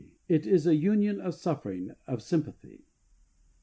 It is a Unio7t of Sitffermg^ of Sympathy.